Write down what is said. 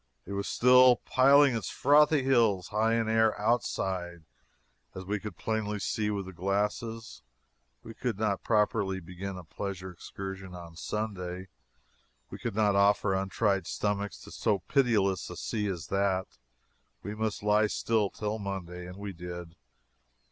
It was still piling its frothy hills high in air "outside," as we could plainly see with the glasses. We could not properly begin a pleasure excursion on Sunday; we could not offer untried stomachs to so pitiless a sea as that. We must lie still till Monday. And we did.